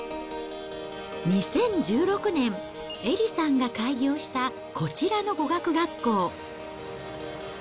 ２０１６年、エリさんが開業したこちらの語学学校。